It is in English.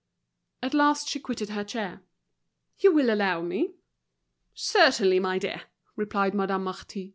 At last she quitted her chair. "You will allow me?" "Certainly, my dear," replied Madame Marty.